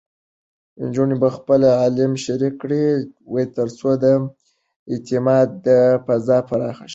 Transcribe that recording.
نجونې خپل علم شریک کړي، ترڅو د اعتماد فضا پراخه شي.